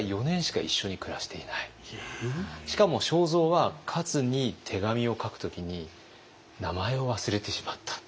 しかも正造はカツに手紙を書く時に名前を忘れてしまった。